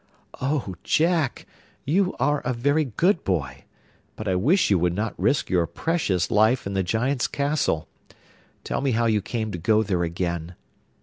'Oh, Jack! you are a very good boy, but I wish you would not risk your precious life in the Giant's castle. Tell me how you came to go there again.